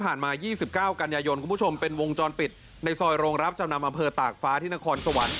มา๒๙กันยายนคุณผู้ชมเป็นวงจรปิดในซอยโรงรับจำนำอำเภอตากฟ้าที่นครสวรรค์